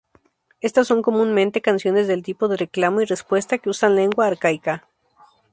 Estas son comúnmente canciones del tipo de reclamo y respuesta que usan lengua arcaica.